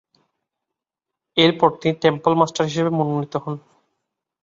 এরপর তিনি temple master হিসেবে মনোনীত হন।